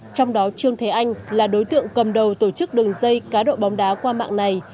trong đó trương thế anh là đối tượng cầm đầu tổ chức đường dây cá độ bóng đá qua mạng này